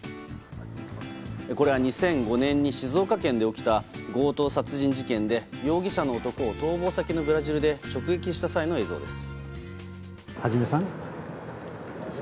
これは２００５年に静岡県で起きた強盗殺人事件で容疑者の男を逃亡先のブラジルで直撃した際の映像です。